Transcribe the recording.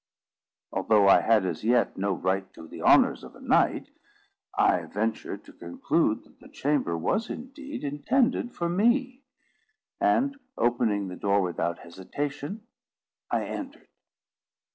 Although I had as yet no right to the honours of a knight, I ventured to conclude that the chamber was indeed intended for me; and, opening the door without hesitation, I entered.